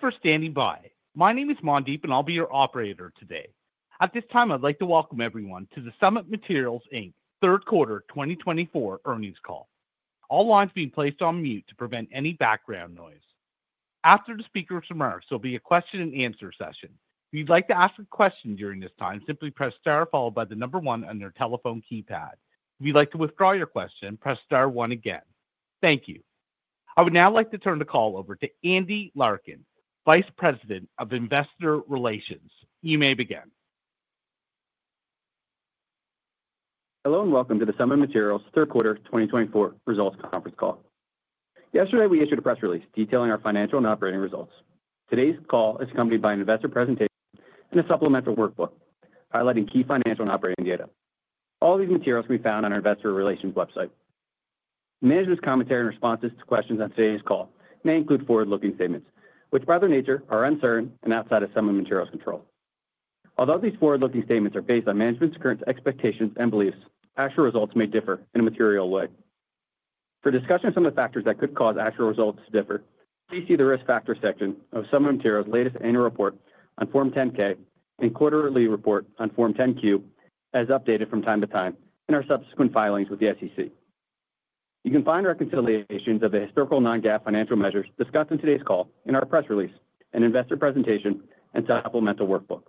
Thanks for standing by. My name is Mandeep, and I'll be your operator today. At this time, I'd like to welcome everyone to the Summit Materials, Inc. Third Quarter 2024 earnings call. All lines are being placed on mute to prevent any background noise. After the speaker summarizes, there will be a question-and-answer session. If you'd like to ask a question during this time, simply press star followed by the number one on your telephone keypad. If you'd like to withdraw your question, press star one again. Thank you. I would now like to turn the call over to Andy Larkin, Vice President of Investor Relations. You may begin. Hello and welcome to the Summit Materials third quarter 2024 results conference call. Yesterday, we issued a press release detailing our financial and operating results. Today's call is accompanied by an investor presentation and a supplemental workbook highlighting key financial and operating data. All these materials can be found on our Investor Relations website. Management's commentary and responses to questions on today's call may include forward-looking statements which, by their nature, are uncertain and outside of Summit Materials' control. Although these forward-looking statements are based on management's current expectations and beliefs, actual results may differ in a material way. For discussion of some of the factors that could cause actual results to differ, please see the risk factor section of Summit Materials' latest annual report on Form 10-K and quarterly report on Form 10-Q as updated from time to time in our subsequent filings with the SEC. You can find reconciliations of the historical non-GAAP financial measures discussed in today's call in our press release, an investor presentation, and supplemental workbook.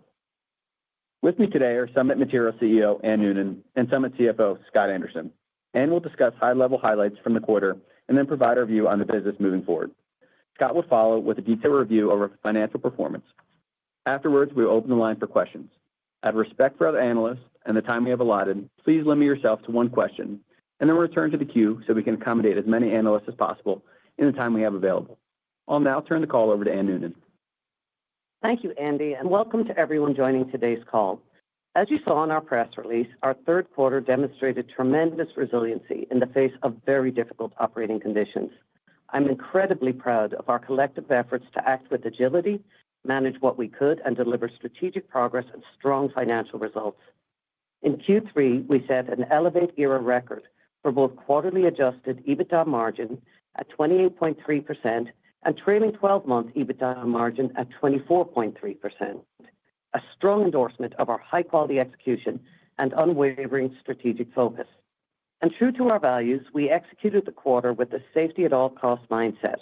With me today are Summit Materials CEO Anne Noonan and Summit CFO Scott Anderson. Anne will discuss high-level highlights from the quarter and then provide a review on the business moving forward. Scott will follow with a detailed review of our financial performance. Afterwards, we will open the line for questions. Out of respect for other analysts and the time we have allotted, please limit yourself to one question and then return to the queue so we can accommodate as many analysts as possible in the time we have available. I'll now turn the call over to Anne Noonan. Thank you, Andy, and welcome to everyone joining today's call. As you saw in our press release, our third quarter demonstrated tremendous resiliency in the face of very difficult operating conditions. I'm incredibly proud of our collective efforts to act with agility, manage what we could, and deliver strategic progress and strong financial results. In Q3, we set an Elevate-era record for both quarterly Adjusted EBITDA margin at 28.3% and trailing 12-month EBITDA margin at 24.3%, a strong endorsement of our high-quality execution and unwavering strategic focus. And true to our values, we executed the quarter with a safety-at-all-costs mindset.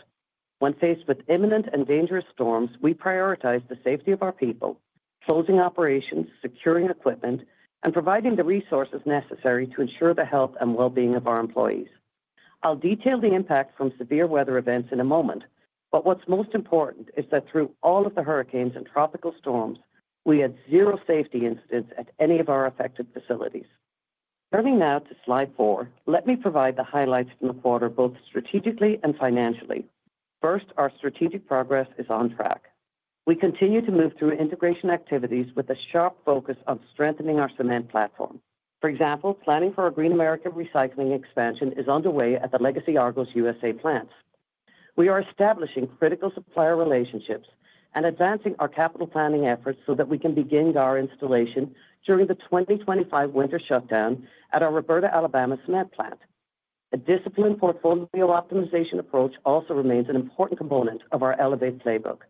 When faced with imminent and dangerous storms, we prioritized the safety of our people, closing operations, securing equipment, and providing the resources necessary to ensure the health and well-being of our employees. I'll detail the impact from severe weather events in a moment, but what's most important is that through all of the hurricanes and tropical storms, we had zero safety incidents at any of our affected facilities. Turning now to slide four, let me provide the highlights from the quarter both strategically and financially. First, our strategic progress is on track. We continue to move through integration activities with a sharp focus on strengthening our cement platform. For example, planning for a Green America Recycling expansion is underway at the legacy Argos USA plants. We are establishing critical supplier relationships and advancing our capital planning efforts so that we can begin our installation during the 2025 winter shutdown at our Roberta, Alabama cement plant. A disciplined portfolio optimization approach also remains an important component of our Elevate playbook.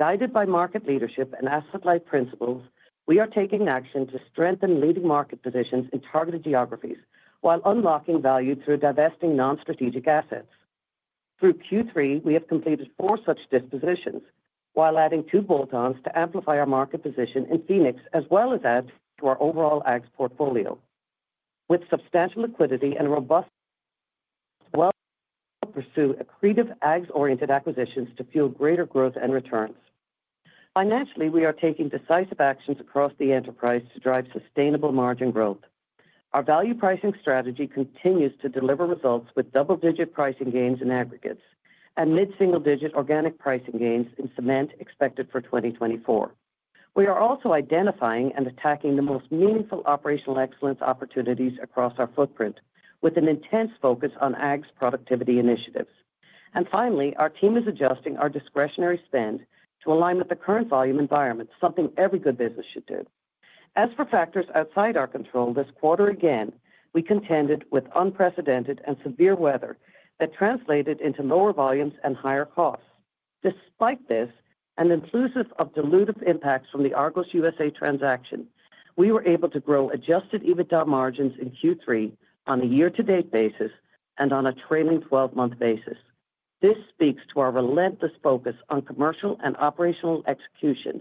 Guided by market leadership and asset-light principles, we are taking action to strengthen leading market positions in targeted geographies while unlocking value through divesting non-strategic assets. Through Q3, we have completed four such dispositions while adding two bolt-ons to amplify our market position in Phoenix as well as add to our overall ag portfolio. With substantial liquidity and robust, we'll pursue accretive ag-oriented acquisitions to fuel greater growth and returns. Financially, we are taking decisive actions across the enterprise to drive sustainable margin growth. Our value pricing strategy continues to deliver results with double-digit pricing gains in aggregates and mid-single-digit organic pricing gains in cement expected for 2024. We are also identifying and attacking the most meaningful operational excellence opportunities across our footprint with an intense focus on Argos productivity initiatives. And finally, our team is adjusting our discretionary spend to align with the current volume environment, something every good business should do. As for factors outside our control, this quarter again, we contended with unprecedented and severe weather that translated into lower volumes and higher costs. Despite this, and inclusive of dilutive impacts from the Argos USA transaction, we were able to grow adjusted EBITDA margins in Q3 on a year-to-date basis and on a trailing 12-month basis. This speaks to our relentless focus on commercial and operational execution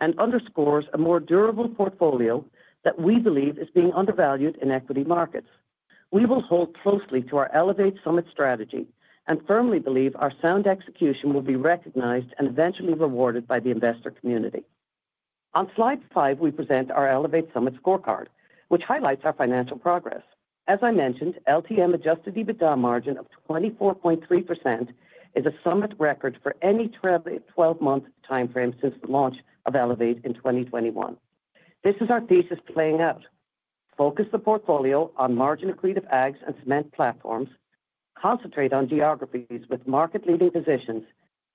and underscores a more durable portfolio that we believe is being undervalued in equity markets. We will hold closely to our Elevate Summit strategy and firmly believe our sound execution will be recognized and eventually rewarded by the investor community. On slide five, we present our Elevate Summit scorecard, which highlights our financial progress. As I mentioned, LTM adjusted EBITDA margin of 24.3% is a Summit record for any 12-month timeframe since the launch of Elevate in 2021. This is our thesis playing out. Focus the portfolio on margin-accretive Aggs and cement platforms, concentrate on geographies with market-leading positions,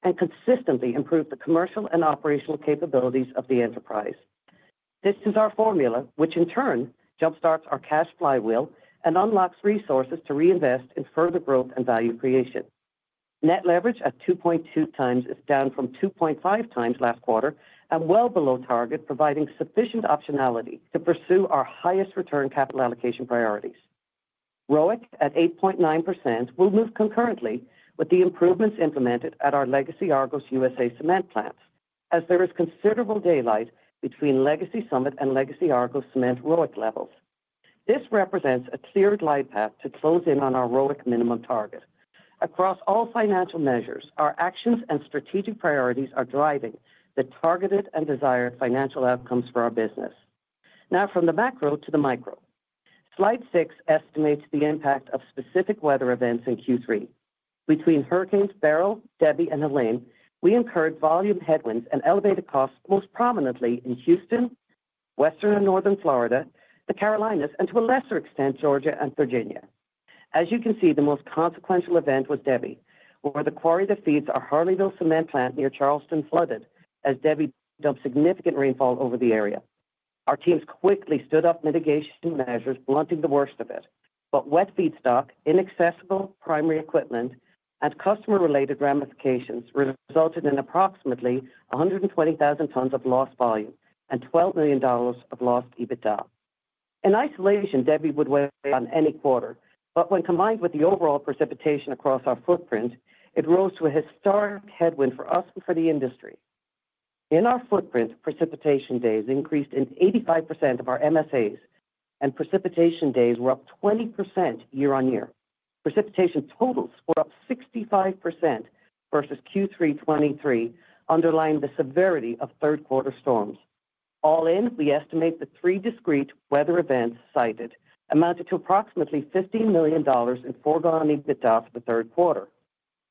and consistently improve the commercial and operational capabilities of the enterprise. This is our formula, which in turn jumpstarts our cash flywheel and unlocks resources to reinvest in further growth and value creation. Net leverage at 2.2 times is down from 2.5 times last quarter and well below target, providing sufficient optionality to pursue our highest return capital allocation priorities. ROIC at 8.9% will move concurrently with the improvements implemented at our Legacy Argos USA cement plants as there is considerable daylight between Legacy Summit and Legacy Argos cement ROIC levels. This represents a cleared glide path to close in on our ROIC minimum target. Across all financial measures, our actions and strategic priorities are driving the targeted and desired financial outcomes for our business. Now, from the macro to the micro. Slide six estimates the impact of specific weather events in Q3. Between hurricanes Beryl, Debby, and Helene, we incurred volume headwinds and elevated costs most prominently in Houston, western and northern Florida, the Carolinas, and to a lesser extent, Georgia and Virginia. As you can see, the most consequential event was Debby, where the quarry that feeds our Harleyville cement plant near Charleston flooded as Debby dumped significant rainfall over the area. Our teams quickly stood up mitigation measures, blunting the worst of it. But wet feedstock, inaccessible primary equipment, and customer-related ramifications resulted in approximately 120,000 tons of lost volume and $12 million of lost EBITDA. In isolation, Debby would weigh on any quarter, but when combined with the overall precipitation across our footprint, it rose to a historic headwind for us and for the industry. In our footprint, precipitation days increased in 85% of our MSAs, and precipitation days were up 20% year-on-year. Precipitation totals were up 65% versus Q3 2023, underlying the severity of third-quarter storms. All in, we estimate the three discrete weather events cited amounted to approximately $15 million in foregone EBITDA for the third quarter.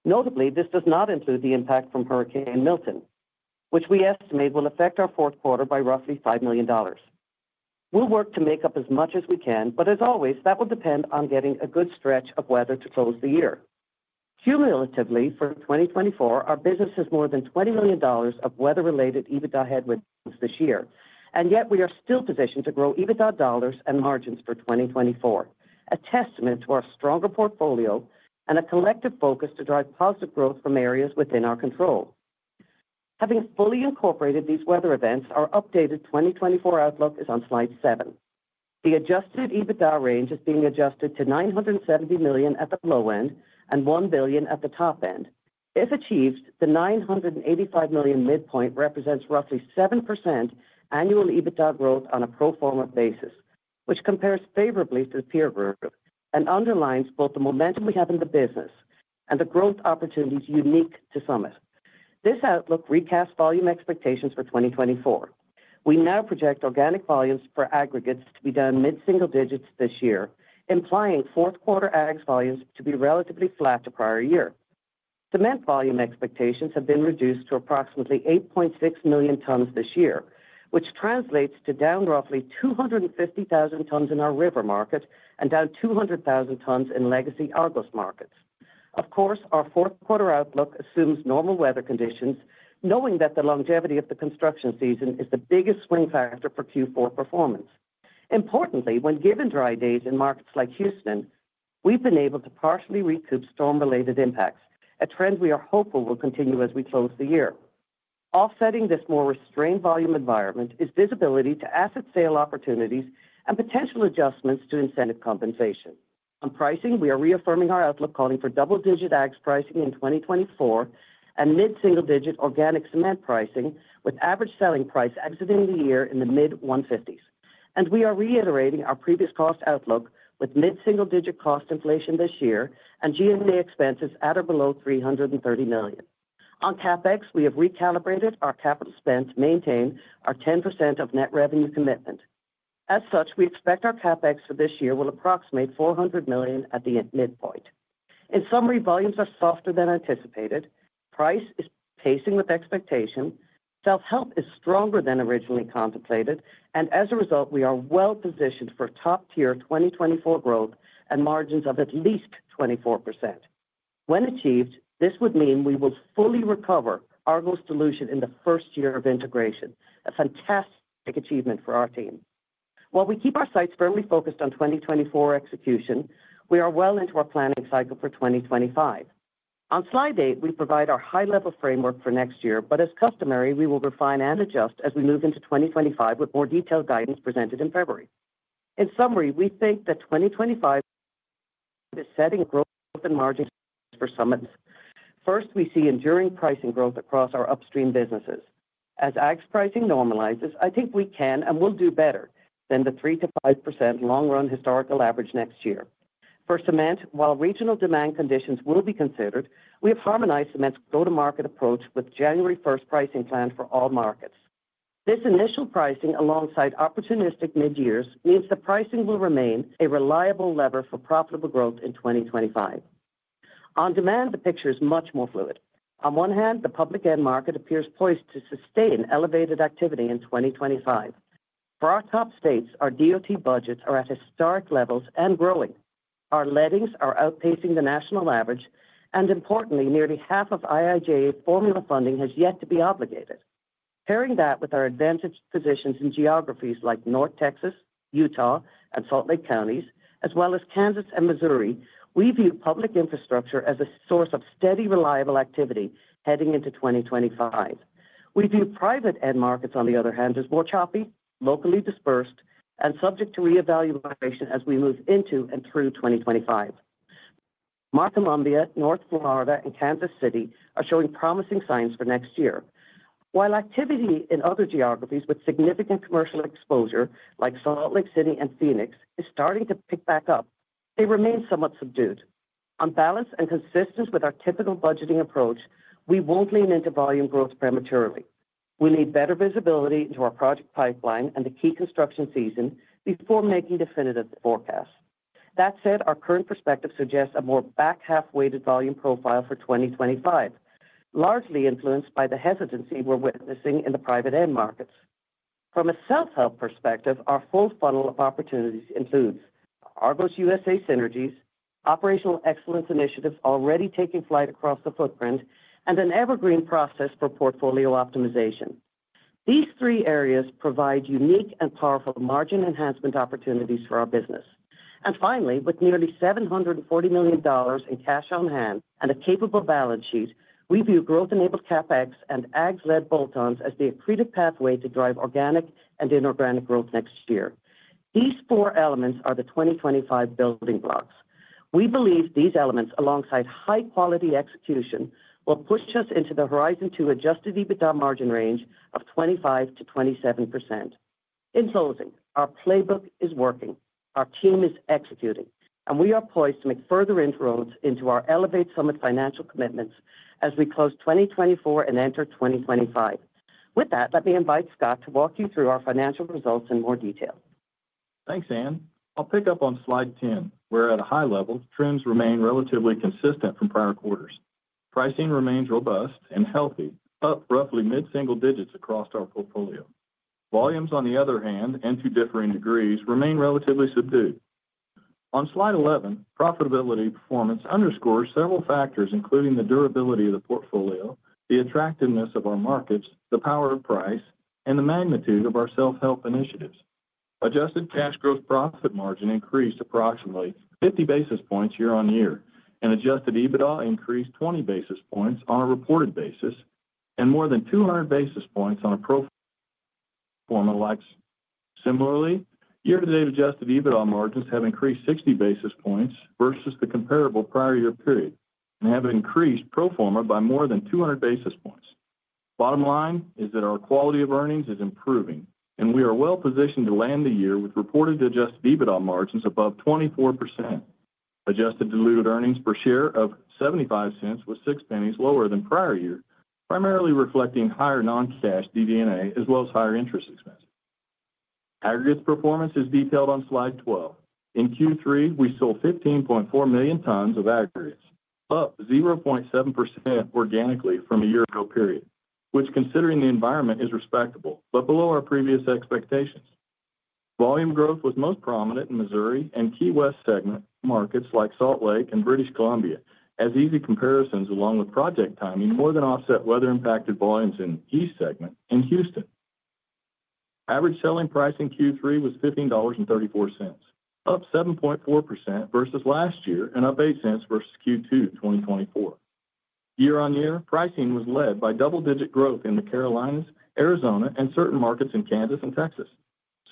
Notably, this does not include the impact from Hurricane Milton, which we estimate will affect our fourth quarter by roughly $5 million. We'll work to make up as much as we can, but as always, that will depend on getting a good stretch of weather to close the year. Cumulatively, for 2024, our business has more than $20 million of weather-related EBITDA headwinds this year, and yet we are still positioned to grow EBITDA dollars and margins for 2024, a testament to our stronger portfolio and a collective focus to drive positive growth from areas within our control. Having fully incorporated these weather events, our updated 2024 outlook is on slide seven. The adjusted EBITDA range is being adjusted to $970 million at the low end and $1 billion at the top end. If achieved, the $985 million midpoint represents roughly 7% annual EBITDA growth on a pro forma basis, which compares favorably to the peer group and underlines both the momentum we have in the business and the growth opportunities unique to Summit. This outlook recast volume expectations for 2024. We now project organic volumes for aggregates to be down mid-single digits this year, implying fourth-quarter Aggs volumes to be relatively flat to prior year. Cement volume expectations have been reduced to approximately 8.6 million tons this year, which translates to down roughly 250,000 tons in our river market and down 200,000 tons in Legacy Argos markets. Of course, our fourth-quarter outlook assumes normal weather conditions, knowing that the longevity of the construction season is the biggest swing factor for Q4 performance. Importantly, when given dry days in markets like Houston, we've been able to partially recoup storm-related impacts, a trend we are hopeful will continue as we close the year. Offsetting this more restrained volume environment is visibility to asset sale opportunities and potential adjustments to incentive compensation. On pricing, we are reaffirming our outlook, calling for double-digit Aggs pricing in 2024 and mid-single digit organic cement pricing with average selling price exiting the year in the mid-150s. And we are reiterating our previous cost outlook with mid-single digit cost inflation this year and G&A expenses at or below $330 million. On CapEx, we have recalibrated our capital spend to maintain our 10% of net revenue commitment. As such, we expect our CapEx for this year will approximate $400 million at the midpoint. In summary, volumes are softer than anticipated. Price is pacing with expectation. Self-help is stronger than originally contemplated. And as a result, we are well positioned for top-tier 2024 growth and margins of at least 24%. When achieved, this would mean we will fully recover Argos' dilution in the first year of integration, a fantastic achievement for our team. While we keep our sights firmly focused on 2024 execution, we are well into our planning cycle for 2025. On slide eight, we provide our high-level framework for next year, but as customary, we will refine and adjust as we move into 2025 with more detailed guidance presented in February. In summary, we think that 2025 is setting growth and margins for Summit. First, we see enduring pricing growth across our upstream businesses. As Aggs pricing normalizes, I think we can and will do better than the 3%-5% long-run historical average next year. For cement, while regional demand conditions will be considered, we have harmonized cement's go-to-market approach with January 1st pricing planned for all markets. This initial pricing alongside opportunistic mid-years means the pricing will remain a reliable lever for profitable growth in 2025. On demand, the picture is much more fluid. On one hand, the public end market appears poised to sustain elevated activity in 2025. For our top states, our DOT budgets are at historic levels and growing. Our lettings are outpacing the national average, and importantly, nearly half of IIJA formula funding has yet to be obligated. Pairing that with our advantaged positions in geographies like North Texas, Utah, and Salt Lake County, as well as Kansas and Missouri, we view public infrastructure as a source of steady, reliable activity heading into 2025. We view private end markets, on the other hand, as more choppy, locally dispersed, and subject to reevaluation as we move into and through 2025. Columbia, North Florida, and Kansas City are showing promising signs for next year. While activity in other geographies with significant commercial exposure, like Salt Lake City and Phoenix, is starting to pick back up, they remain somewhat subdued. On balance and consistent with our typical budgeting approach, we won't lean into volume growth prematurely. We need better visibility into our project pipeline and the key construction season before making definitive forecasts. That said, our current perspective suggests a more back-half-weighted volume profile for 2025, largely influenced by the hesitancy we're witnessing in the private end markets. From a self-help perspective, our full funnel of opportunities includes Argos USA synergies, operational excellence initiatives already taking flight across the footprint, and an evergreen process for portfolio optimization. These three areas provide unique and powerful margin enhancement opportunities for our business. And finally, with nearly $740 million in cash on hand and a capable balance sheet, we view growth-enabled CapEx and ag-led bolt-ons as the accretive pathway to drive organic and inorganic growth next year. These four elements are the 2025 building blocks. We believe these elements, alongside high-quality execution, will push us into the Horizon Two adjusted EBITDA margin range of 25%-27%. In closing, our playbook is working. Our team is executing, and we are poised to make further inroads into our Elevate Summit financial commitments as we close 2024 and enter 2025. With that, let me invite Scott to walk you through our financial results in more detail. Thanks, Anne. I'll pick up on slide 10, where at a high level, trends remain relatively consistent from prior quarters. Pricing remains robust and healthy, up roughly mid-single digits across our portfolio. Volumes, on the other hand, and to differing degrees, remain relatively subdued. On slide 11, profitability performance underscores several factors, including the durability of the portfolio, the attractiveness of our markets, the power of price, and the magnitude of our self-help initiatives. Adjusted cash gross profit margin increased approximately 50 basis points year-on-year, and adjusted EBITDA increased 20 basis points on a reported basis, and more than 200 basis points on a pro forma-like. Similarly, year-to-date adjusted EBITDA margins have increased 60 basis points versus the comparable prior year period and have increased pro forma by more than 200 basis points. Bottom line is that our quality of earnings is improving, and we are well positioned to end the year with reported adjusted EBITDA margins above 24%. Adjusted diluted earnings per share of $0.75 was six pennies lower than prior year, primarily reflecting higher non-cash DD&A as well as higher interest expenses. Aggregates performance is detailed on slide 12. In Q3, we sold 15.4 million tons of aggregates, up 0.7% organically from a year-ago period, which, considering the environment, is respectable but below our previous expectations. Volume growth was most prominent in Missouri and Intermountain West segment markets like Salt Lake and British Columbia as easy comparisons, along with project timing more than offset weather-impacted volumes in East segment in Houston. Average selling price in Q3 was $15.34, up 7.4% versus last year and up $0.08 versus Q2 2024. Year-on-year, pricing was led by double-digit growth in the Carolinas, Arizona, and certain markets in Kansas and Texas.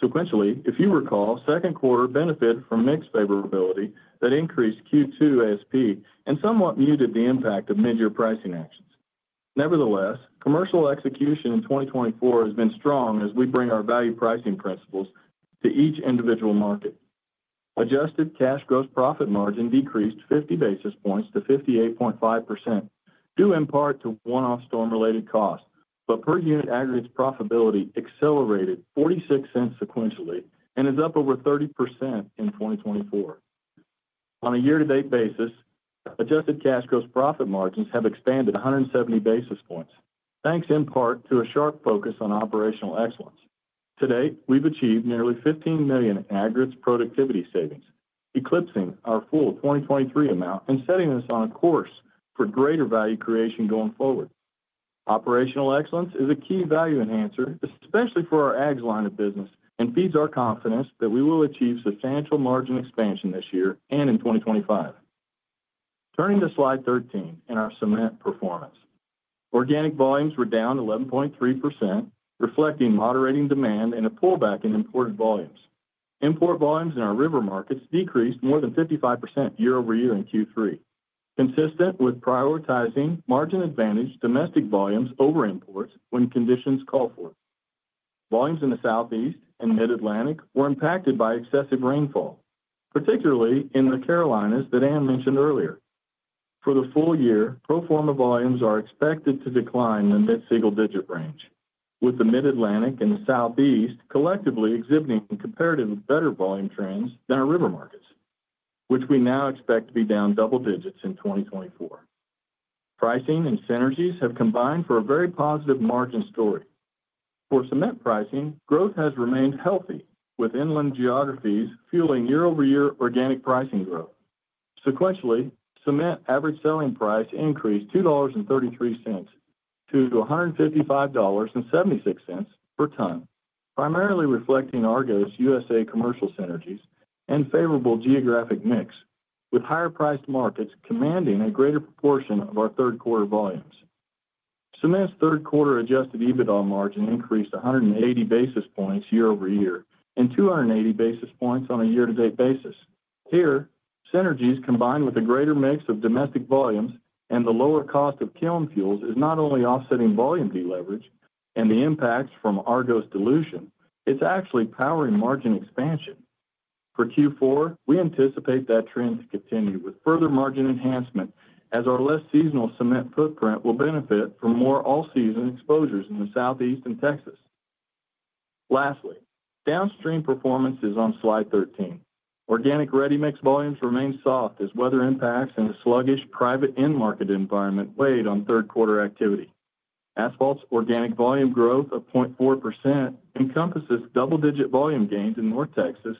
Sequentially, if you recall, second quarter benefited from mixed favorability that increased Q2 ASP and somewhat muted the impact of mid-year pricing actions. Nevertheless, commercial execution in 2024 has been strong as we bring our value pricing principles to each individual market. Adjusted cash gross profit margin decreased 50 basis points to 58.5%, due in part to one-off storm-related costs, but per unit aggregates profitability accelerated $0.46 sequentially and is up over 30% in 2024. On a year-to-date basis, adjusted cash gross profit margins have expanded 170 basis points, thanks in part to a sharp focus on operational excellence. To date, we've achieved nearly $15 million in aggregates productivity savings, eclipsing our full 2023 amount and setting us on a course for greater value creation going forward. Operational excellence is a key value enhancer, especially for our AGS line of business, and feeds our confidence that we will achieve substantial margin expansion this year and in 2025. Turning to slide 13 in our cement performance, organic volumes were down 11.3%, reflecting moderating demand and a pullback in imported volumes. Import volumes in our river markets decreased more than 55% year-over-year in Q3, consistent with prioritizing margin advantage domestic volumes over imports when conditions call for it. Volumes in the Southeast and Mid-Atlantic were impacted by excessive rainfall, particularly in the Carolinas that Anne mentioned earlier. For the full year, pro forma volumes are expected to decline in the mid-single digit range, with the Mid-Atlantic and the Southeast collectively exhibiting comparatively better volume trends than our river markets, which we now expect to be down double digits in 2024. Pricing and synergies have combined for a very positive margin story. For cement pricing, growth has remained healthy, with inland geographies fueling year-over-year organic pricing growth. Sequentially, cement average selling price increased $2.33 to $155.76 per ton, primarily reflecting Argos USA commercial synergies and favorable geographic mix, with higher-priced markets commanding a greater proportion of our third-quarter volumes. Cement's third-quarter adjusted EBITDA margin increased 180 basis points year-over-year and 280 basis points on a year-to-date basis. Here, synergies combined with a greater mix of domestic volumes and the lower cost of kiln fuels is not only offsetting volume deleverage and the impacts from Argos' dilution, it's actually powering margin expansion. For Q4, we anticipate that trend to continue with further margin enhancement as our less seasonal cement footprint will benefit from more all-season exposures in the Southeast and Texas. Lastly, downstream performance is on slide 13. Organic ready-mix volumes remain soft as weather impacts and a sluggish private end market environment weighed on third-quarter activity. Asphalt's organic volume growth of 0.4% encompasses double-digit volume gains in North Texas,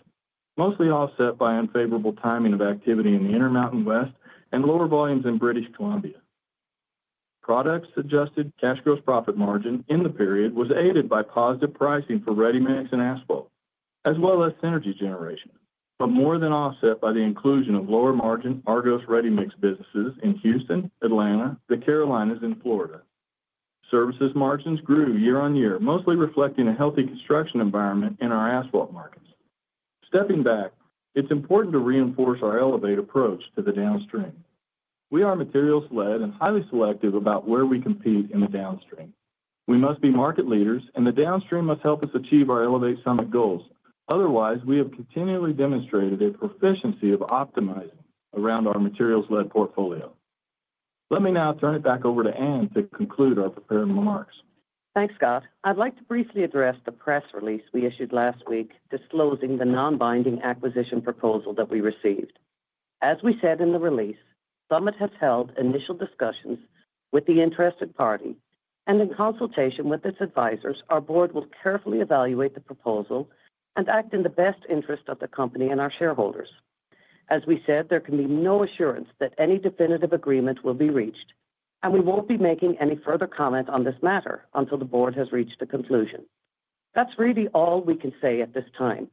mostly offset by unfavorable timing of activity in the Intermountain West and lower volumes in British Columbia. Products' adjusted cash gross profit margin in the period was aided by positive pricing for ready-mix and asphalt, as well as synergy generation, but more than offset by the inclusion of lower-margin Argos ready-mix businesses in Houston, Atlanta, the Carolinas, and Florida. Services margins grew year-on-year, mostly reflecting a healthy construction environment in our asphalt markets. Stepping back, it's important to reinforce our Elevate approach to the downstream. We are materials-led and highly selective about where we compete in the downstream. We must be market leaders, and the downstream must help us achieve our Elevate Summit goals. Otherwise, we have continually demonstrated a proficiency of optimizing around our materials-led portfolio. Let me now turn it back over to Ann to conclude our prepared remarks. Thanks, Scott. I'd like to briefly address the press release we issued last week disclosing the non-binding acquisition proposal that we received. As we said in the release, Summit has held initial discussions with the interested party, and in consultation with its advisors, our board will carefully evaluate the proposal and act in the best interest of the company and our shareholders. As we said, there can be no assurance that any definitive agreement will be reached, and we won't be making any further comment on this matter until the board has reached a conclusion. That's really all we can say at this time,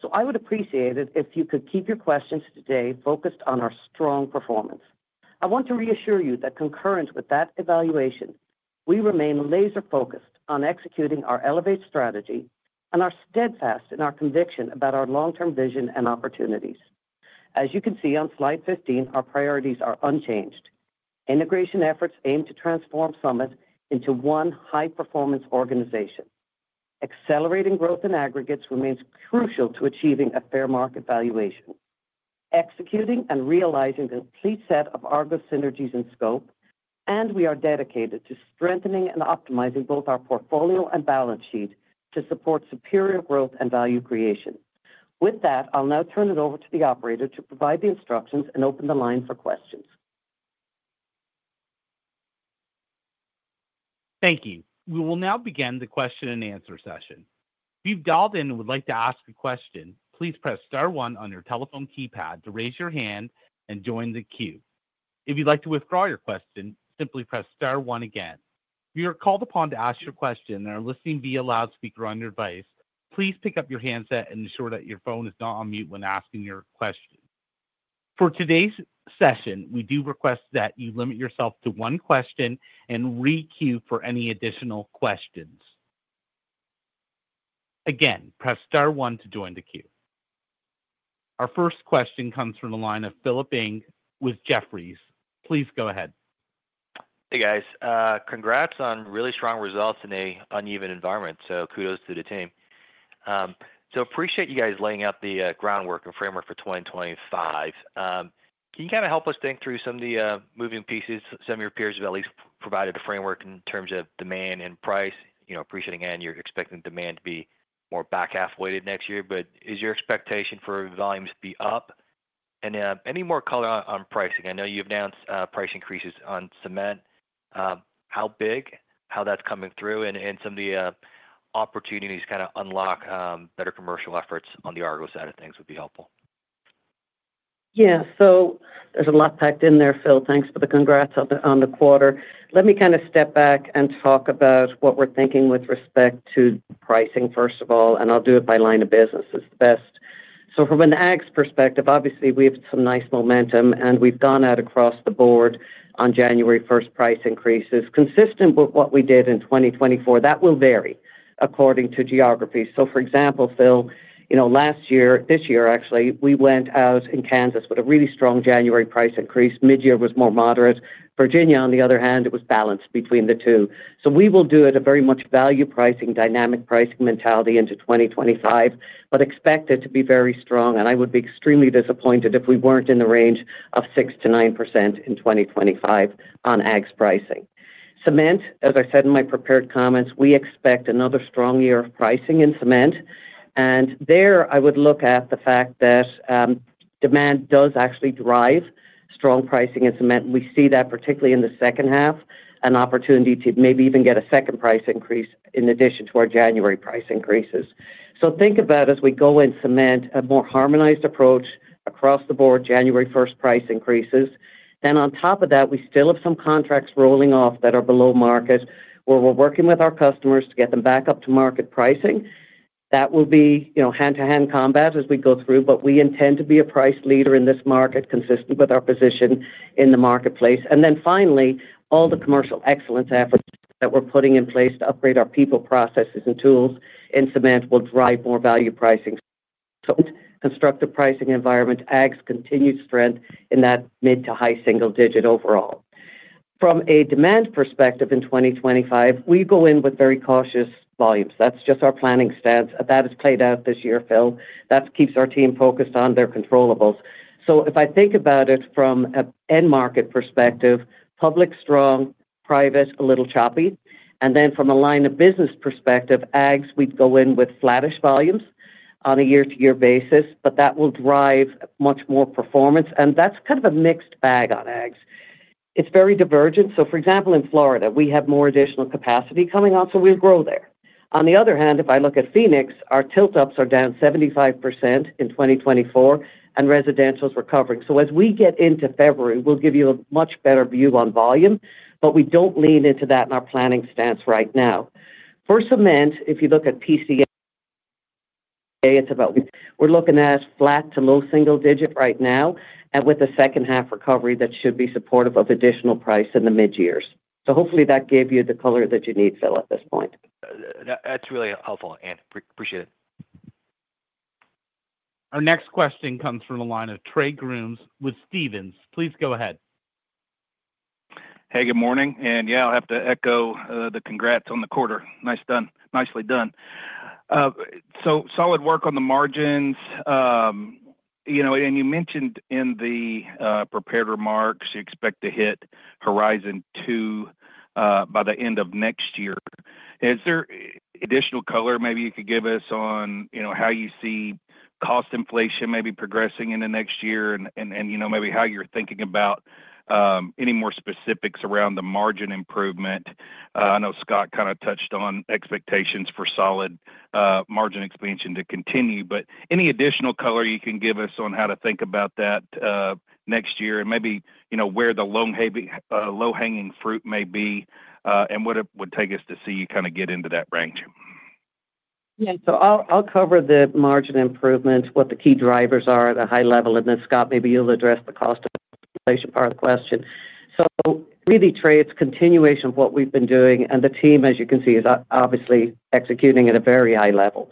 so I would appreciate it if you could keep your questions today focused on our strong performance. I want to reassure you that concurrent with that evaluation, we remain laser-focused on executing our Elevate strategy and are steadfast in our conviction about our long-term vision and opportunities. As you can see on slide 15, our priorities are unchanged. Integration efforts aim to transform Summit into one high-performance organization. Accelerating growth in aggregates remains crucial to achieving a fair market valuation. Executing and realizing the complete set of Argos synergies and scope, and we are dedicated to strengthening and optimizing both our portfolio and balance sheet to support superior growth and value creation. With that, I'll now turn it over to the operator to provide the instructions and open the line for questions. Thank you. We will now begin the question-and-answer session. If you've dialed in and would like to ask a question, please press star one on your telephone keypad to raise your hand and join the queue. If you'd like to withdraw your question, simply press star one again. If you are called upon to ask your question and are listening via loudspeaker on your device, please pick up your handset and ensure that your phone is not on mute when asking your question. For today's session, we do request that you limit yourself to one question and re-queue for any additional questions. Again, press star one to join the queue. Our first question comes from the line of Philip Ng with Jefferies. Please go ahead. Hey, guys. Congrats on really strong results in an uneven environment, so kudos to the team. So appreciate you guys laying out the groundwork and framework for 2025. Can you kind of help us think through some of the moving pieces? Some of your peers have at least provided a framework in terms of demand and price. Appreciating, Anne, you're expecting demand to be more back-half-weighted next year, but is your expectation for volumes to be up? And any more color on pricing? I know you've announced price increases on cement. How big? How that's coming through? And some of the opportunities to kind of unlock better commercial efforts on the Argos side of things would be helpful. Yeah. So there's a lot packed in there, Phil. Thanks for the congrats on the quarter. Let me kind of step back and talk about what we're thinking with respect to pricing, first of all, and I'll do it by line of business. It's the best. So from an AGS perspective, obviously, we have some nice momentum, and we've gone out across the board on January 1st price increases, consistent with what we did in 2024. That will vary according to geography. So for example, Phil, last year, this year, actually, we went out in Kansas with a really strong January price increase. Mid-year was more moderate. Virginia, on the other hand, it was balanced between the two. So we will do it a very much value pricing, dynamic pricing mentality into 2025, but expect it to be very strong. And I would be extremely disappointed if we weren't in the range of 6%-9% in 2025 on Aggs pricing. Cement, as I said in my prepared comments, we expect another strong year of pricing in cement. And there, I would look at the fact that demand does actually drive strong pricing in cement. We see that particularly in the second half, an opportunity to maybe even get a second price increase in addition to our January price increases. So think about, as we go in cement, a more harmonized approach across the board, January 1st price increases. Then on top of that, we still have some contracts rolling off that are below market where we're working with our customers to get them back up to market pricing. That will be hand-to-hand combat as we go through, but we intend to be a price leader in this market, consistent with our position in the marketplace. And then finally, all the commercial excellence efforts that we're putting in place to upgrade our people, processes, and tools in cement will drive more value pricing. So constructive pricing environment, Aggs continued strength in that mid- to high-single-digit overall. From a demand perspective in 2025, we go in with very cautious volumes. That's just our planning stance. That has played out this year, Phil. That keeps our team focused on their controllables. So if I think about it from an end market perspective, public strong, private a little choppy. Then from a line of business perspective, Aggs, we'd go in with flattish volumes on a year-to-year basis, but that will drive much more performance. That's kind of a mixed bag on Aggs. It's very divergent. For example, in Florida, we have more additional capacity coming on, so we'll grow there. On the other hand, if I look at Phoenix, our tilt-ups are down 75% in 2024, and residentials recovering. As we get into February, we'll give you a much better view on volume, but we don't lean into that in our planning stance right now. For cement, if you look at PCA, we're looking at flat to low single digit right now, and with the second half recovery, that should be supportive of additional price in the mid-years. Hopefully, that gave you the color that you need, Phil, at this point. That's really helpful, Ann. Appreciate it. Our next question comes from the line of Trey Grooms with Stephens. Please go ahead. Hey, good morning. And yeah, I'll have to echo the congrats on the quarter. Nice done. Nicely done. So solid work on the margins. And you mentioned in the prepared remarks, you expect to hit Horizon Two by the end of next year. Is there additional color maybe you could give us on how you see cost inflation maybe progressing in the next year and maybe how you're thinking about any more specifics around the margin improvement? I know Scott kind of touched on expectations for solid margin expansion to continue, but any additional color you can give us on how to think about that next year and maybe where the low-hanging fruit may be and what it would take us to see you kind of get into that range? Yeah. So I'll cover the margin improvement, what the key drivers are at a high level. And then, Scott, maybe you'll address the cost of inflation part of the question. So really, Trey, it's continuation of what we've been doing, and the team, as you can see, is obviously executing at a very high level.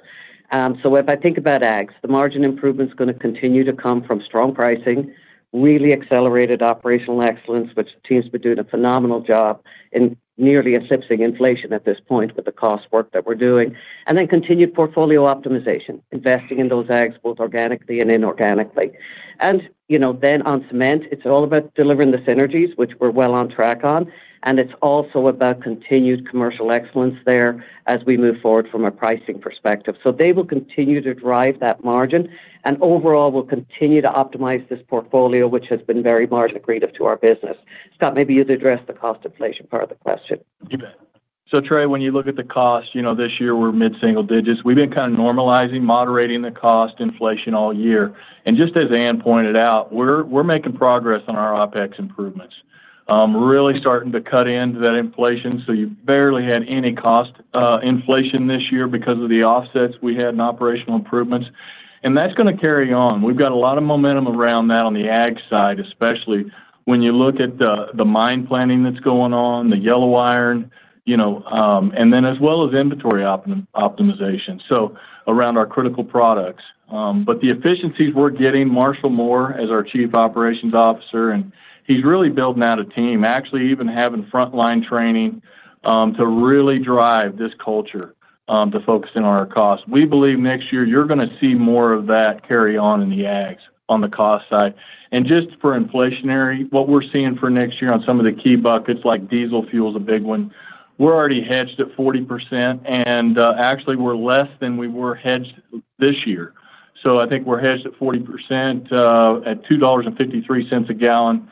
So if I think about Aggs, the margin improvement's going to continue to come from strong pricing, really accelerated operational excellence, which teams have been doing a phenomenal job in nearly eclipsing inflation at this point with the cost work that we're doing, and then continued portfolio optimization, investing in those Aggs both organically and inorganically. And then on cement, it's all about delivering the synergies, which we're well on track on, and it's also about continued commercial excellence there as we move forward from a pricing perspective. So they will continue to drive that margin and overall will continue to optimize this portfolio, which has been very margin accretive to our business. Scott, maybe you'd address the cost inflation part of the question. You bet. So Trey, when you look at the cost, this year we're mid-single digits. We've been kind of normalizing, moderating the cost inflation all year. Just as Anne pointed out, we're making progress on our OpEx improvements, really starting to cut into that inflation. You barely had any cost inflation this year because of the offsets we had in operational improvements. That's going to carry on. We've got a lot of momentum around that on the AG side, especially when you look at the mine planning that's going on, the yellow iron, and then as well as inventory optimization, so around our critical products. The efficiencies we're getting, Marshall Moore as our Chief Operations Officer, and he's really building out a team, actually even having frontline training to really drive this culture to focus in on our cost. We believe next year you're going to see more of that carry on in the Aggs on the cost side. Just for inflationary, what we're seeing for next year on some of the key buckets like diesel fuel is a big one. We're already hedged at 40%, and actually we're less than we were hedged this year. So I think we're hedged at 40% at $2.53 a gallon.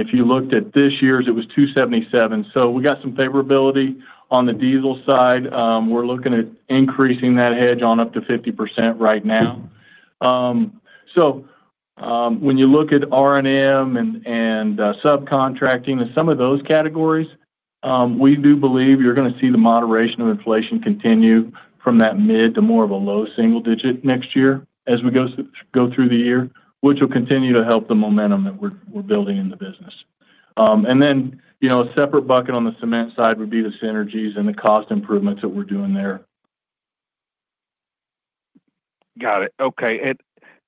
If you looked at this year's, it was $2.77. So we got some favorability on the diesel side. We're looking at increasing that hedge on up to 50% right now. So when you look at R&M and subcontracting and some of those categories, we do believe you're going to see the moderation of inflation continue from that mid to more of a low single digit next year as we go through the year, which will continue to help the momentum that we're building in the business. Then a separate bucket on the cement side would be the synergies and the cost improvements that we're doing there. Got it. Okay.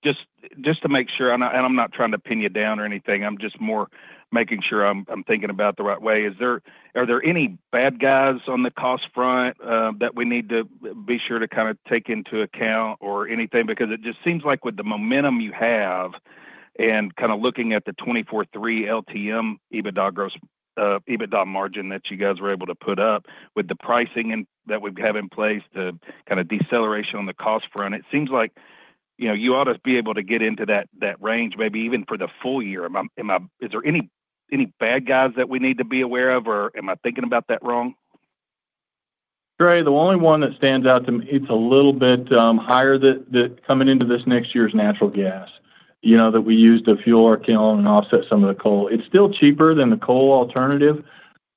And just to make sure, and I'm not trying to pin you down or anything, I'm just more making sure I'm thinking about the right way. Are there any bad guys on the cost front that we need to be sure to kind of take into account or anything? Because it just seems like with the momentum you have and kind of looking at the Q3 2024 LTM EBITDA margin that you guys were able to put up with the pricing that we have in place to kind of deceleration on the cost front, it seems like you ought to be able to get into that range maybe even for the full year. Is there any bad guys that we need to be aware of, or am I thinking about that wrong? Trey, the only one that stands out to me, it's a little bit higher coming into this next year's natural gas that we used to fuel our Kiln and offset some of the coal. It's still cheaper than the coal alternative,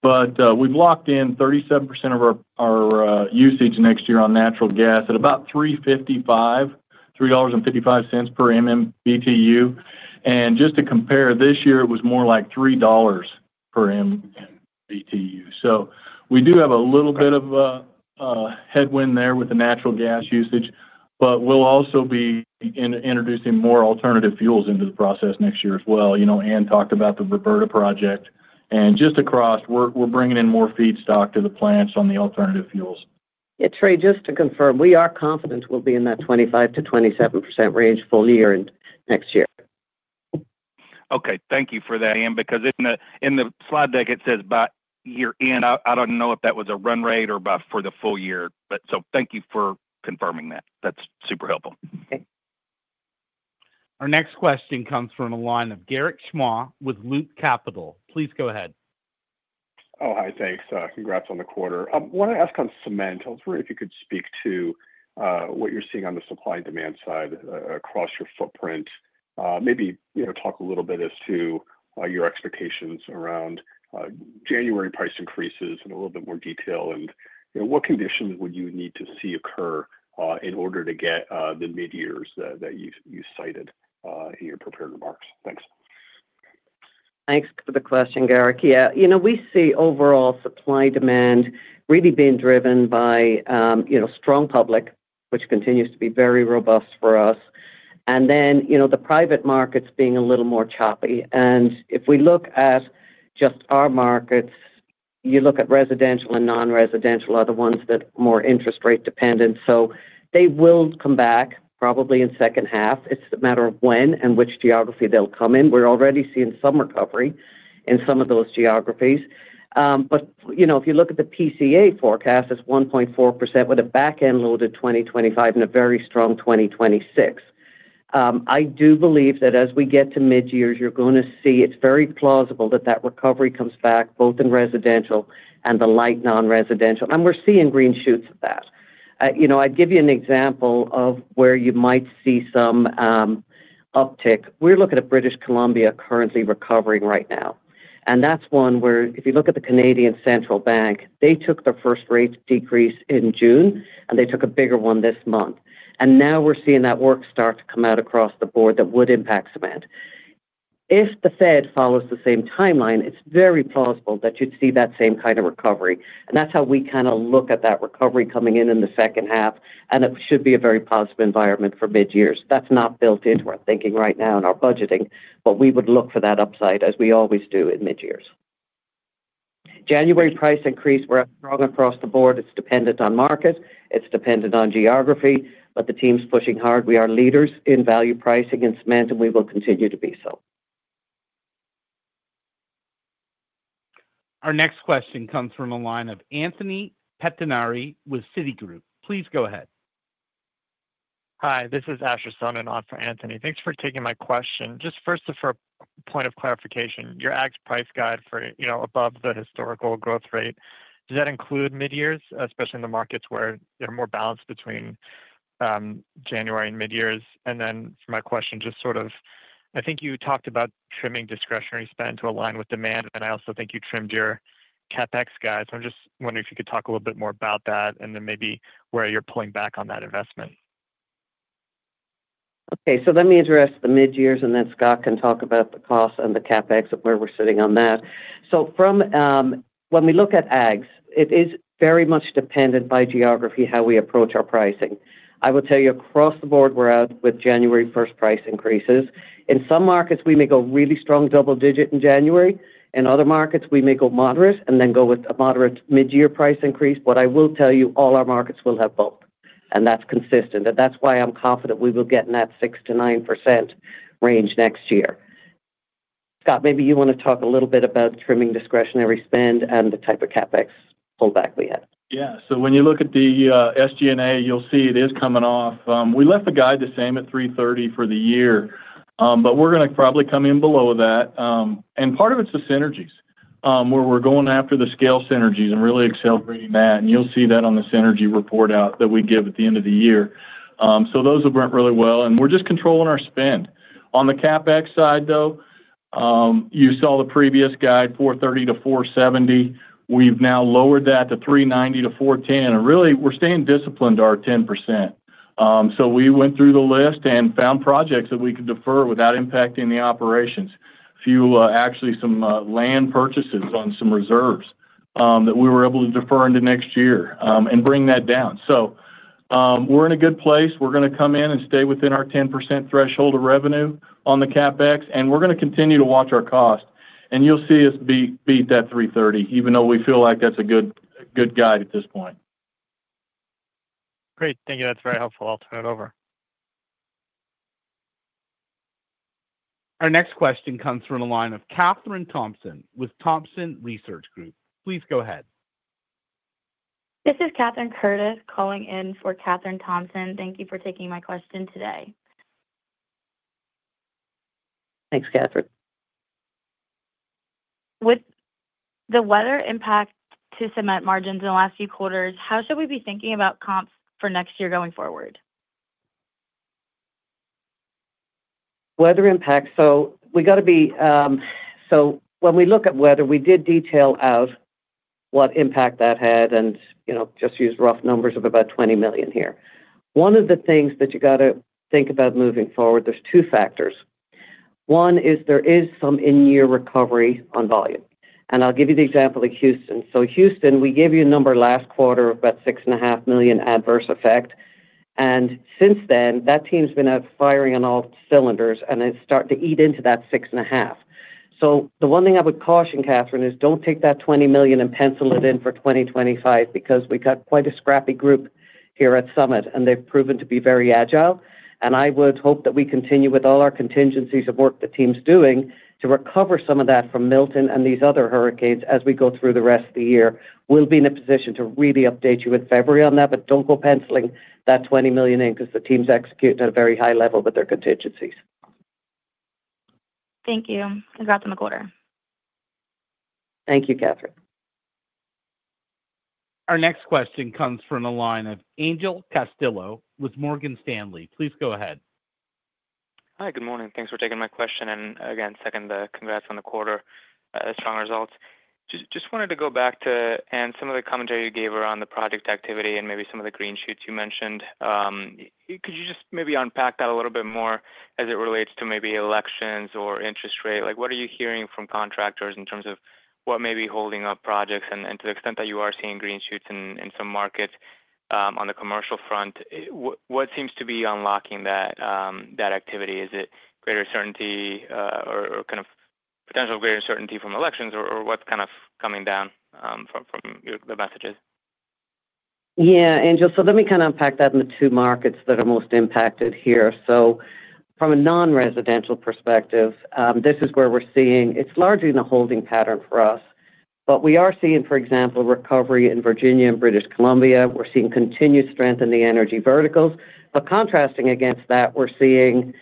but we've locked in 37% of our usage next year on natural gas at about $3.55, $3.55 per MMBtu. And just to compare, this year it was more like $3 per MMBtu. So we do have a little bit of a headwind there with the natural gas usage, but we'll also be introducing more alternative fuels into the process next year as well. Anne talked about the Roberta project. And just across, we're bringing in more feedstock to the plants on the alternative fuels. Yeah. Trey, just to confirm, we are confident we'll be in that 25%-27% range full year next year. Okay. Thank you for that, Anne, because in the slide deck, it says by year-end. I don't know if that was a run rate or for the full year. So thank you for confirming that. That's super helpful. Okay. Our next question comes from the line of Garik Shmois with Loop Capital. Please go ahead . Oh, hi. Thanks. Congrats on the quarter. I want to ask on cement. I was wondering if you could speak to what you're seeing on the supply and demand side across your footprint. Maybe talk a little bit as to your expectations around January price increases in a little bit more detail and what conditions would you need to see occur in order to get the mid-years that you cited in your prepared remarks. Thanks. Thanks for the question, Garik. Yeah. We see overall supply demand really being driven by strong public, which continues to be very robust for us, and then the private markets being a little more choppy, and if we look at just our markets, you look at residential and non-residential are the ones that are more interest rate dependent, so they will come back probably in second half. It's a matter of when and which geography they'll come in. We're already seeing some recovery in some of those geographies, but if you look at the PCA forecast, it's 1.4% with a back-end loaded 2025 and a very strong 2026. I do believe that as we get to mid-years, you're going to see it's very plausible that that recovery comes back both in residential and the light non-residential, and we're seeing green shoots of that. I'd give you an example of where you might see some uptick. We're looking at British Columbia currently recovering right now, and that's one where if you look at the Canadian Central Bank, they took their first rate decrease in June, and they took a bigger one this month. And now we're seeing that work start to come out across the board that would impact cement. If the Fed follows the same timeline, it's very plausible that you'd see that same kind of recovery, and that's how we kind of look at that recovery coming in in the second half, and it should be a very positive environment for mid-years. That's not built into our thinking right now in our budgeting, but we would look for that upside as we always do in mid-years. January price increase was strong across the board. It's dependent on market. It's dependent on geography, but the team's pushing hard. We are leaders in value pricing in cement, and we will continue to be so. Our next question comes from the line of Anthony Pettinari with Citigroup. Please go ahead. Hi. This is Asher Sohnen for Anthony. Thanks for taking my question. Just first, for a point of clarification, your AGS price guide for above the historical growth rate, does that include mid-years, especially in the markets where they're more balanced between January and mid-years? And then for my question, just sort of I think you talked about trimming discretionary spend to align with demand, and I also think you trimmed your CapEx guide. So I'm just wondering if you could talk a little bit more about that and then maybe where you're pulling back on that investment. Okay. So let me address the mid-years, and then Scott can talk about the cost and the CapEx where we're sitting on that. So when we look at Aggs, it is very much dependent by geography how we approach our pricing. I will tell you across the board, we're out with January 1st price increases. In some markets, we may go really strong double digit in January. In other markets, we may go moderate and then go with a moderate mid-year price increase. But I will tell you all our markets will have both, and that's consistent. And that's why I'm confident we will get in that 6%-9% range next year. Scott, maybe you want to talk a little bit about trimming discretionary spend and the type of CapEx pullback we had. Yeah. So when you look at the SG&A, you'll see it is coming off. We left the guide the same at 330 for the year, but we're going to probably come in below that. And part of it's the synergies where we're going after the scale synergies and really accelerating that. And you'll see that on the synergy report out that we give at the end of the year. So those have went really well, and we're just controlling our spend. On the CapEx side, though, you saw the previous guide, 430-470. We've now lowered that to 390-410. And really, we're staying disciplined our 10%. So we went through the list and found projects that we could defer without impacting the operations. Actually, some land purchases on some reserves that we were able to defer into next year and bring that down. So we're in a good place. We're going to come in and stay within our 10% threshold of revenue on the CapEx, and we're going to continue to watch our cost, and you'll see us beat that 330, even though we feel like that's a good guide at this point. Great. Thank you. That's very helpful. I'll turn it over. Our next question comes from the line of Kathryn Thompson with Thompson Research Group. Please go ahead. This is Katherine Curtis calling in for Kathryn Thompson. Thank you for taking my question today. Thanks, Katherine. With the weather impact to cement margins in the last few quarters, how should we be thinking about comps for next year going forward? Weather impact. So we got to be so when we look at weather, we did detail out what impact that had and just use rough numbers of about $20 million here. One of the things that you got to think about moving forward, there's two factors. One is there is some in-year recovery on volume. And I'll give you the example of Houston. So Houston, we gave you a number last quarter of about $6.5 million adverse effect. And since then, that team's been out firing on all cylinders, and it's starting to eat into that 6.5. So the one thing I would caution, Kathryn, is don't take that $20 million and pencil it in for 2025 because we got quite a scrappy group here at Summit, and they've proven to be very agile. And I would hope that we continue with all our contingencies of work the team's doing to recover some of that from Milton and these other hurricanes as we go through the rest of the year. We'll be in a position to really update you in February on that, but don't go penciling that $20 million in because the team's executing at a very high level with their contingencies. Thank you. Congrats on the quarter. Thank you, Katherine. Our next question comes from the line of Angel Castillo with Morgan Stanley. Please go ahead. Hi. Good morning. Thanks for taking my question. And again, second the congrats on the quarter, strong results. Just wanted to go back to Anne's some of the commentary you gave around the project activity and maybe some of the green shoots you mentioned. Could you just maybe unpack that a little bit more as it relates to maybe elections or interest rate? What are you hearing from contractors in terms of what may be holding up projects and to the extent that you are seeing green shoots in some markets on the commercial front? What seems to be unlocking that activity? Is it greater certainty or kind of potential greater certainty from elections, or what's kind of coming down from the messages? Yeah, Angel. So let me kind of unpack that in the two markets that are most impacted here. So from a non-residential perspective, this is where we're seeing, it's largely in the holding pattern for us. But we are seeing, for example, recovery in Virginia and British Columbia. We're seeing continued strength in the energy verticals. But contrasting against that, we're seeing,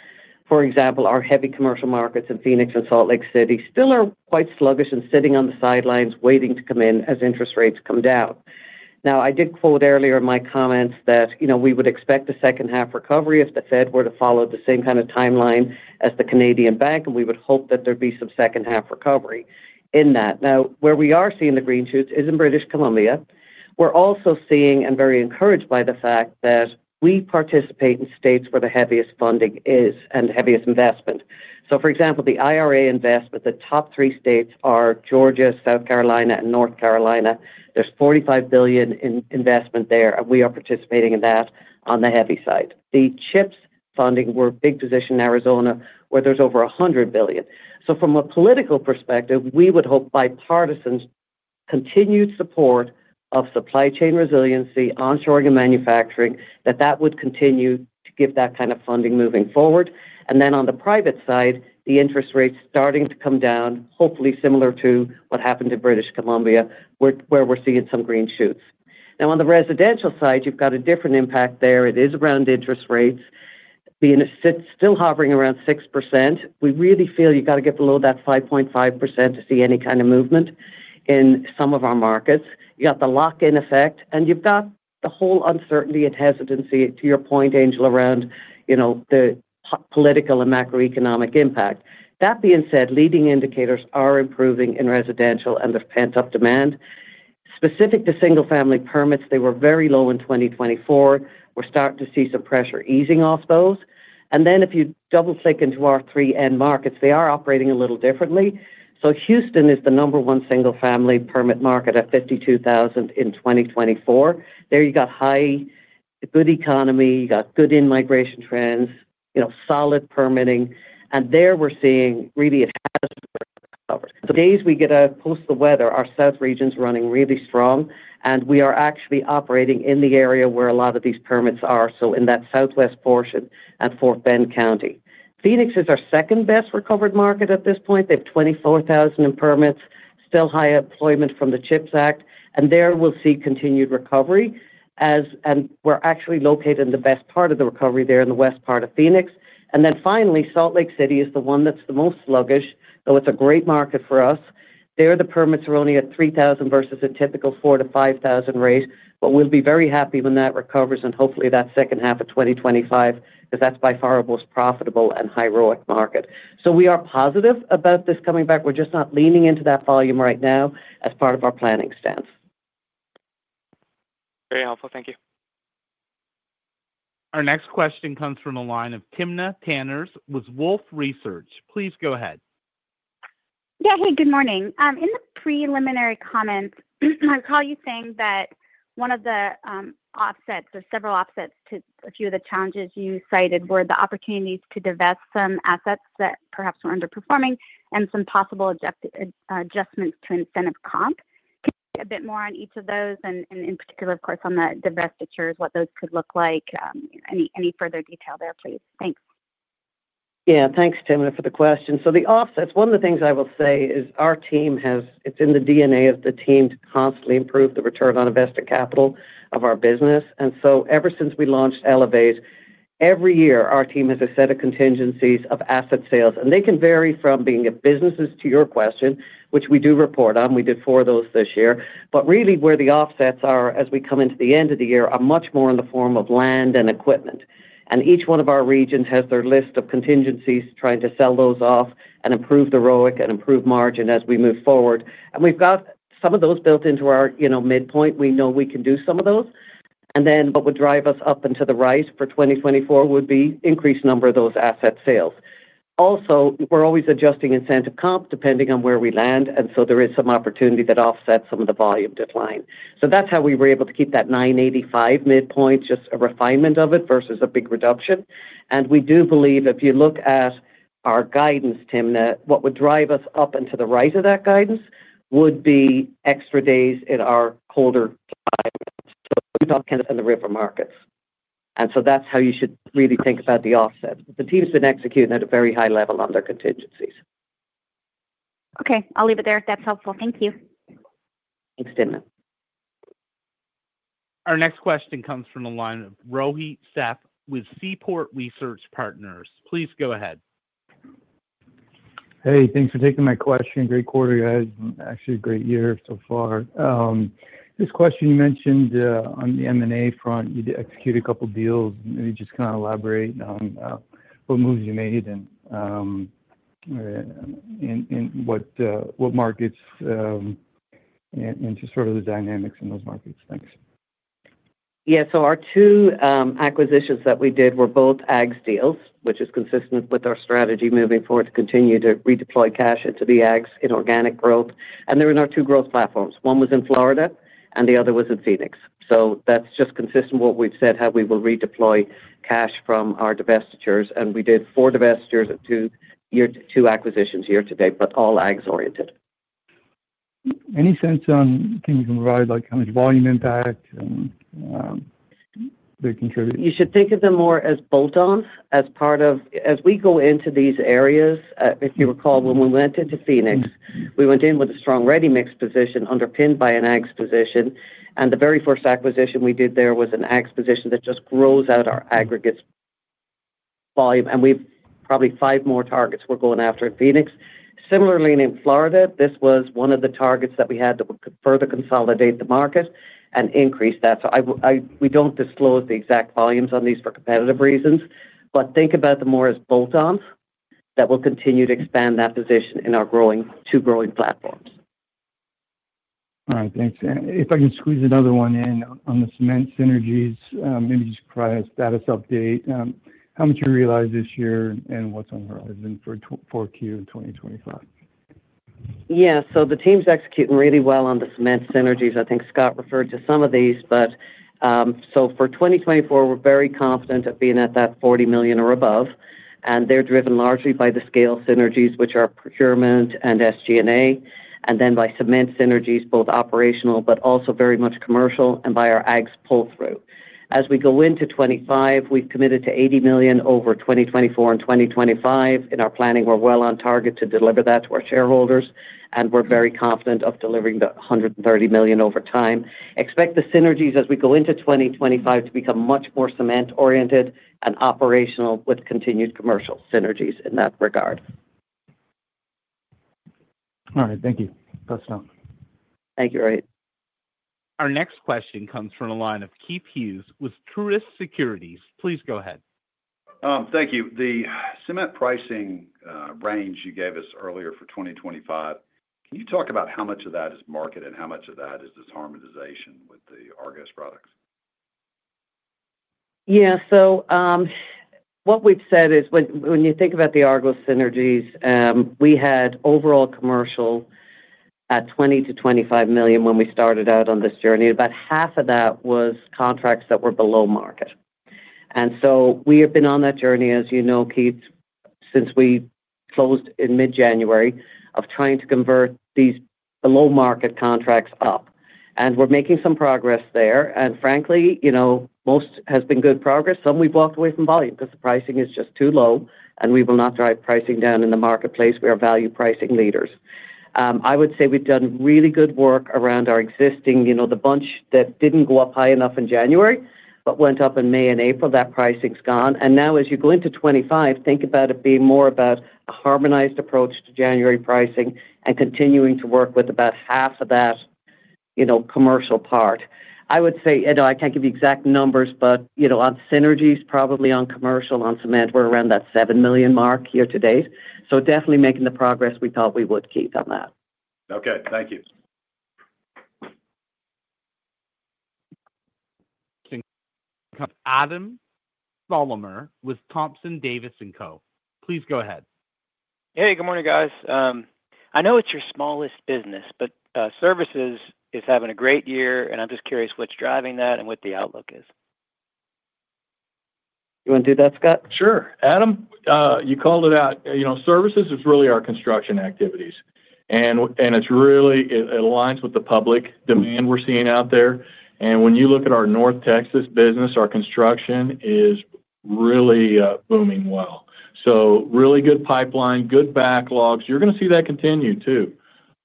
for example, our heavy commercial markets in Phoenix and Salt Lake City still are quite sluggish and sitting on the sidelines waiting to come in as interest rates come down. Now, I did quote earlier in my comments that we would expect a second-half recovery if the Fed were to follow the same kind of timeline as the Canadian Bank, and we would hope that there'd be some second-half recovery in that. Now, where we are seeing the green shoots is in British Columbia. We're also seeing and very encouraged by the fact that we participate in states where the heaviest funding is and heaviest investment. So for example, the IRA investment, the top three states are Georgia, South Carolina, and North Carolina. There's $45 billion in investment there, and we are participating in that on the heavy side. The CHIPS funding, we're a big position in Arizona where there's over $100 billion. So from a political perspective, we would hope bipartisan continued support of supply chain resiliency, onshoring and manufacturing, that that would continue to give that kind of funding moving forward. And then on the private side, the interest rates starting to come down, hopefully similar to what happened to British Columbia, where we're seeing some green shoots. Now, on the residential side, you've got a different impact there. It is around interest rates being still hovering around 6%. We really feel you've got to get below that 5.5% to see any kind of movement in some of our markets. You got the lock-in effect, and you've got the whole uncertainty and hesitancy, to your point, Angel, around the political and macroeconomic impact. That being said, leading indicators are improving in residential and have pent-up demand. Specific to single-family permits, they were very low in 2024. We're starting to see some pressure easing off those, and then if you double-click into our three-end markets, they are operating a little differently, so Houston is the number one single-family permit market at 52,000 in 2024. There you got high, good economy. You got good in-migration trends, solid permitting, and there we're seeing really a catastrophe. The days we get out post the weather, our south region's running really strong, and we are actually operating in the area where a lot of these permits are, so in that southwest portion and Fort Bend County. Phoenix is our second-best recovered market at this point. They have 24,000 in permits, still high employment from the CHIPS Act, and there we'll see continued recovery, and we're actually located in the best part of the recovery there in the west part of Phoenix. And then finally, Salt Lake City is the one that's the most sluggish, though it's a great market for us. There, the permits are only at 3,000 versus a typical 4 to 5,000 rate. But we'll be very happy when that recovers and hopefully that second half of 2025 because that's by far our most profitable and heroic market. So we are positive about this coming back. We're just not leaning into that volume right now as part of our planning stance. Very helpful. Thank you. Our next question comes from the line of Timna Tanners with Wolfe Research. Please go ahead. Yeah. Hey, good morning. In the preliminary comments, I saw you saying that one of the offsets or several offsets to a few of the challenges you cited were the opportunities to divest some assets that perhaps were underperforming and some possible adjustments to incentive comp. Can you speak a bit more on each of those and in particular, of course, on the divestitures, what those could look like? Any further detail there, please? Thanks. Yeah. Thanks, Timna, for the question. So the offsets, one of the things I will say is our team has its in the DNA of the team to constantly improve the return on invested capital of our business. And so ever since we launched Elevate, every year, our team has a set of contingencies of asset sales. And they can vary from being add-on businesses to your question, which we do report on. We did four of those this year. But really, where the offsets are as we come into the end of the year are much more in the form of land and equipment. And each one of our regions has their list of contingencies trying to sell those off and improve the ROIC and improve margin as we move forward. And we've got some of those built into our midpoint. We know we can do some of those. And then what would drive us up into the right for 2024 would be an increased number of those asset sales. Also, we're always adjusting incentive comp depending on where we land, and so there is some opportunity that offsets some of the volume decline. So that's how we were able to keep that 985 midpoint, just a refinement of it versus a big reduction. And we do believe if you look at our guidance, Timna, what would drive us up into the right of that guidance would be extra days in our colder climate, so we're talking about the river markets. And so that's how you should really think about the offsets. The team's been executing at a very high level on their contingencies. Okay. I'll leave it there. That's helpful. Thank you. Thanks, Timna. Our next question comes from the line of Rohit Seth with Seaport Research Partners. Please go ahead. Hey, thanks for taking my question. Great quarter. Actually, great year so far. This question you mentioned on the M&A front, you executed a couple of deals. Maybe just kind of elaborate on what moves you made and what markets and just sort of the dynamics in those markets. Thanks. Yeah. So our two acquisitions that we did were both agg deals, which is consistent with our strategy moving forward to continue to redeploy cash into the AGS in organic growth. And there were our two growth platforms. One was in Florida, and the other was in Phoenix. So that's just consistent with what we've said, how we will redeploy cash from our divestitures. And we did four divestitures and two acquisitions year to date, but all AGS-oriented. Any sense on things you can provide, like how much volume impact they contribute? You should think of them more as bolt-ons as part of as we go into these areas. If you recall, when we went into Phoenix, we went in with a strong ready-mix position underpinned by an AGS position. And the very first acquisition we did there was an AGS position that just grows our aggregate volume. And we've probably five more targets we're going after in Phoenix. Similarly, in Florida, this was one of the targets that we had that would further consolidate the market and increase that. So we don't disclose the exact volumes on these for competitive reasons, but think about them more as bolt-ons that will continue to expand that position in our two growing platforms. All right. Thanks. If I can squeeze another one in on the cement synergies, maybe just provide a status update. How much have you realized this year and what's on the horizon for Q2 2025? Yeah. So the team's executing really well on the cement synergies. I think Scott referred to some of these, but so for 2024, we're very confident at being at that $40 million or above. And they're driven largely by the scale synergies, which are procurement and SG&A, and then by cement synergies, both operational but also very much commercial, and by our AGS pull-through. As we go into 2025, we've committed to $80 million over 2024 and 2025. In our planning, we're well on target to deliver that to our shareholders, and we're very confident of delivering the $130 million over time. Expect the synergies, as we go into 2025, to become much more cement-oriented and operational with continued commercial synergies in that regard. All right. Thank you. That's enough. Thank you, Rohit. Our next question comes from the line of Keith Hughes with Truist Securities. Please go ahead. Thank you. The cement pricing range you gave us earlier for 2025, can you talk about how much of that is market and how much of that is this harmonization with the Argos products? Yeah. So what we've said is when you think about the Argos synergies, we had overall commercial at $20 million-$25 million when we started out on this journey. About half of that was contracts that were below market. And so we have been on that journey, as you know, Keith, since we closed in mid-January of trying to convert these below-market contracts up. And we're making some progress there. And frankly, most has been good progress. Some we've walked away from volume because the pricing is just too low, and we will not drive pricing down in the marketplace. We are value pricing leaders. I would say we've done really good work around our existing the bunch that didn't go up high enough in January but went up in May and April, that pricing's gone. And now, as you go into 2025, think about it being more about a harmonized approach to January pricing and continuing to work with about half of that commercial part. I would say I can't give you exact numbers, but on synergies, probably on commercial, on cement, we're around that $7 million mark year to date. So definitely making the progress we thought we would keep on that. Okay. Thank you. Adam Thalhimer with Thompson Davis & Co. Please go ahead. Hey, good morning, guys. I know it's your smallest business, but services is having a great year, and I'm just curious what's driving that and what the outlook is. You want to do that, Scott? Sure. Adam, you called it out. Services is really our construction activities. And it's really it aligns with the public demand we're seeing out there. And when you look at our North Texas business, our construction is really booming well. So really good pipeline, good backlogs. You're going to see that continue, too.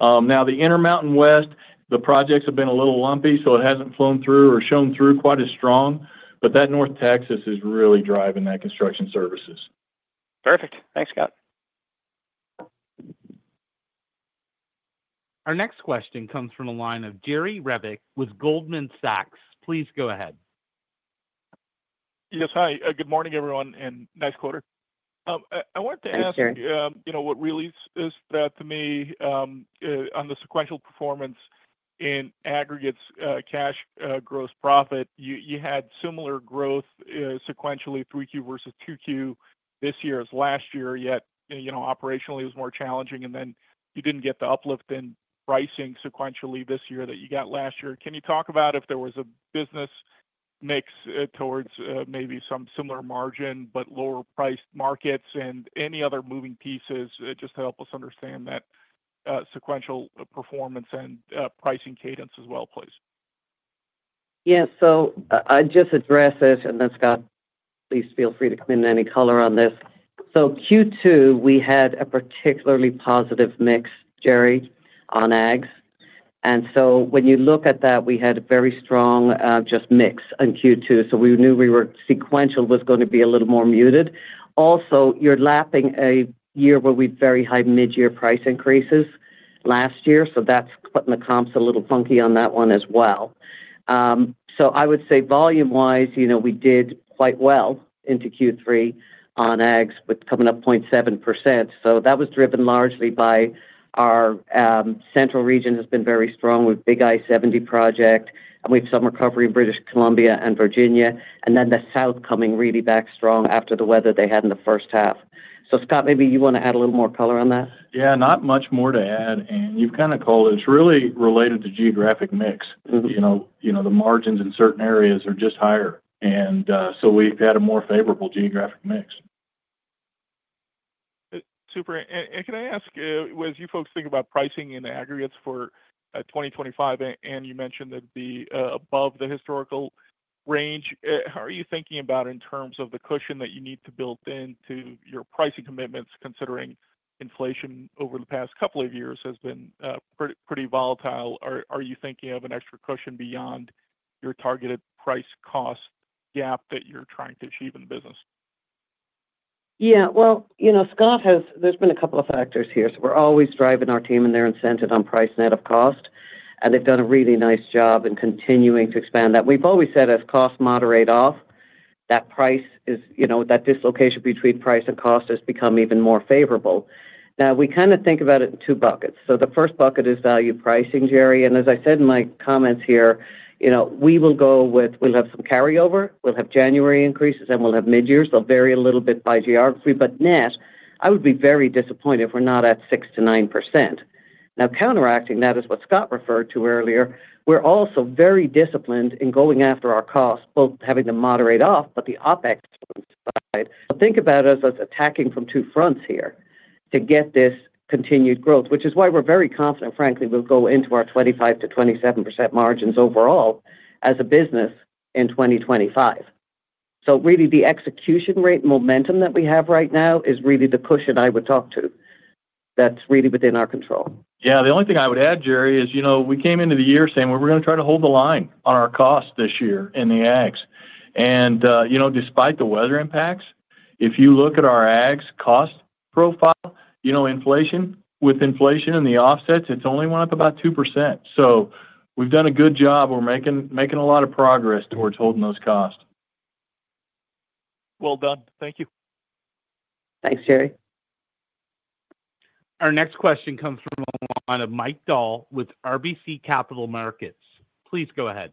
Now, the Intermountain West, the projects have been a little lumpy, so it hasn't flown through or shown through quite as strong. But that North Texas is really driving that construction services. Perfect. Thanks, Scott. Our next question comes from the line of Jerry Revich with Goldman Sachs. Please go ahead. Yes. Hi. Good morning, everyone, and nice quarter. I wanted to ask what really stood out to me on the sequential performance in aggregates cash gross profit. You had similar growth sequentially 3Q versus 2Q this year as last year, yet operationally it was more challenging. And then you didn't get the uplift in pricing sequentially this year that you got last year. Can you talk about if there was a business mix towards maybe some similar margin but lower-priced markets and any other moving pieces just to help us understand that sequential performance and pricing cadence as well, please? Yeah. So I'll just address this, and then Scott, please feel free to come in any color on this. So Q2, we had a particularly positive mix, Jerry, on AGS. And so when you look at that, we had a very strong just mix in Q2. So we knew we were sequential was going to be a little more muted. Also, you're lapping a year where we had very high mid-year price increases last year. So that's putting the comps a little funky on that one as well. So I would say volume-wise, we did quite well into Q3 on AGS with coming up 0.7%. So that was driven largely by our central region has been very strong with Big I-70 project, and we have some recovery in British Columbia and Virginia, and then the south coming really back strong after the weather they had in the first half. So Scott, maybe you want to add a little more color on that? Yeah. Not much more to add. And you've kind of called it. It's really related to geographic mix. The margins in certain areas are just higher. And so we've had a more favorable geographic mix. Super. And can I ask, as you folks think about pricing in aggregates for 2025, and you mentioned that it'd be above the historical range, how are you thinking about it in terms of the cushion that you need to build into your pricing commitments, considering inflation over the past couple of years has been pretty volatile? Are you thinking of an extra cushion beyond your targeted price-cost gap that you're trying to achieve in the business? Yeah. Well, Scott, there's been a couple of factors here. So we're always driving our team and their incentive on price net of cost. And they've done a really nice job in continuing to expand that. We've always said as costs moderate off, that price is that dislocation between price and cost has become even more favorable. Now, we kind of think about it in two buckets. So the first bucket is value pricing, Jerry. And as I said in my comments here, we will go with we'll have some carryover. We'll have January increases, and we'll have mid-years. They'll vary a little bit by geography. But net, I would be very disappointed if we're not at 6%-9%. Now, counteracting that is what Scott referred to earlier. We're also very disciplined in going after our costs, both having them moderate off, but the OpEx side. Think about it as us attacking from two fronts here to get this continued growth, which is why we're very confident, frankly, we'll go into our 25%-27% margins overall as a business in 2025. So really, the execution rate momentum that we have right now is really the cushion I would talk to that's really within our control. Yeah. The only thing I would add, Jerry, is we came into the year saying we were going to try to hold the line on our costs this year in the AGS. And despite the weather impacts, if you look at our AGS cost profile, inflation with inflation and the offsets, it's only went up about 2%. So we've done a good job. We're making a lot of progress towards holding those costs. Well done. Thank you. Thanks, Jerry. Our next question comes from the line of Mike Dahl with RBC Capital Markets. Please go ahead.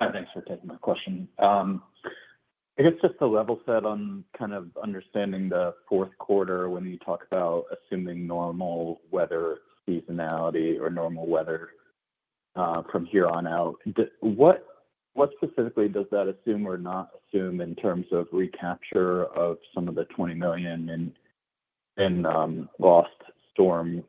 Hi. Thanks for taking my question. I guess just the level set on kind of understanding the fourth quarter when you talk about assuming normal weather seasonality or normal weather from here on out. What specifically does that assume or not assume in terms of recapture of some of the $20 million in lost storm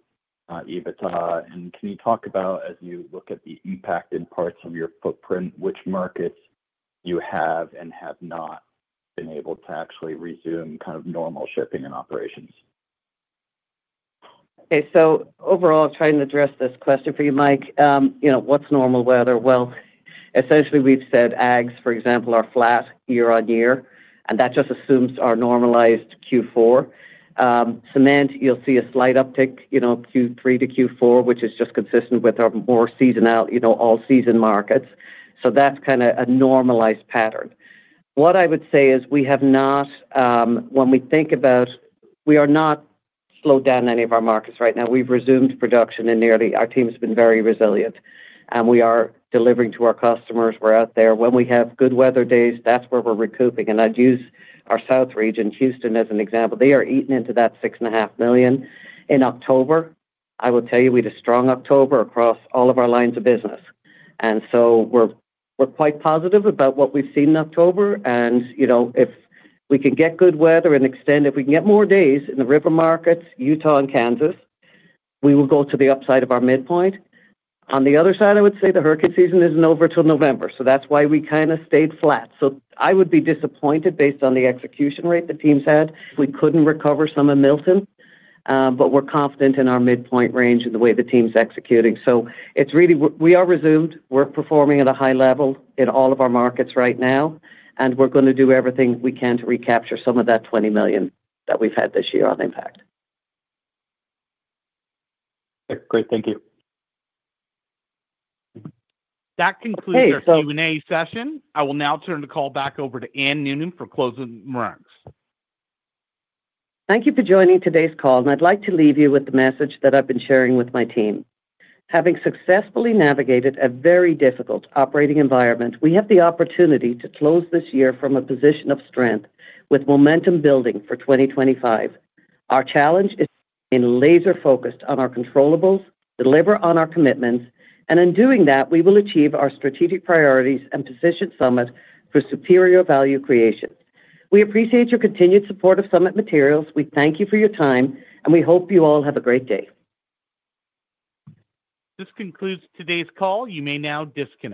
EBITDA? And can you talk about, as you look at the impact in parts of your footprint, which markets you have and have not been able to actually resume kind of normal shipping and operations? Okay. So overall, I'm trying to address this question for you, Mike. What's normal weather? Essentially, we've said ags, for example, are flat year on year, and that just assumes our normalized Q4. Cement, you'll see a slight uptick Q3 to Q4, which is just consistent with our more seasonal, all-season markets. So that's kind of a normalized pattern. What I would say is we have not, when we think about, we are not slowed down any of our markets right now. We've resumed production, and our team has been very resilient. We are delivering to our customers. We're out there. When we have good weather days, that's where we're recouping. I'd use our South region, Houston, as an example. They are eating into that 6.5 million. In October, I will tell you, we had a strong October across all of our lines of business. So we're quite positive about what we've seen in October. And if we can get good weather and extend, if we can get more days in the river markets, Utah, and Kansas, we will go to the upside of our midpoint. On the other side, I would say the hurricane season isn't over until November. So that's why we kind of stayed flat. So I would be disappointed based on the execution rate the team's had if we couldn't recover some in Milton. But we're confident in our midpoint range and the way the team's executing. So it's really we are resumed. We're performing at a high level in all of our markets right now. And we're going to do everything we can to recapture some of that $20 million that we've had this year on impact. Okay. Great. Thank you. That concludes our Q&A session. I will now turn the call back over to Anne Noonan for closing remarks. Thank you for joining today's call, and I'd like to leave you with the message that I've been sharing with my team. Having successfully navigated a very difficult operating environment, we have the opportunity to close this year from a position of strength with momentum building for 2025. Our challenge is being laser-focused on our controllables, deliver on our commitments, and in doing that, we will achieve our strategic priorities and position Summit for superior value creation. We appreciate your continued support of Summit Materials. We thank you for your time, and we hope you all have a great day. This concludes today's call. You may now disconnect.